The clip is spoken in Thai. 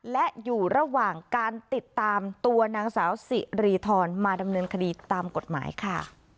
และอยู่ระหว่างการติดตามตัวนางสาวสิริธรมาดำเนินคดีตามกฎหมายค่ะ